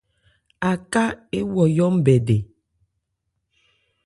Aká éwɔyɔ́ nbɛdɛ.